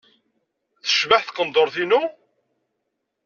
Tecbeḥ tqendurt-inu?